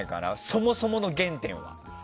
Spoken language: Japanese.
そもそもの原点。